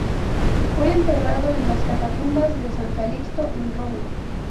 Fue enterrado en las Catacumbas de San Calixto, en Roma.